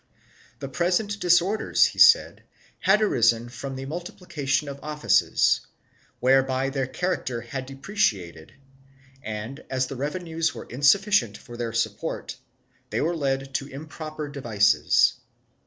The present disor ders, he said, had arisen from the multiplication of offices, whereby their character had depreciated and, as the revenues were insufficient for their support, they were led to improper devices.